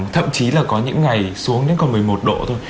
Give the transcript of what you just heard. thậm chí là có những ngày xuống đến còn một mươi một độ thôi